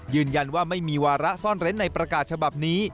ยืนยันว่าไม่มีวาระซ่อนเร้นในประกาศฉบับนี้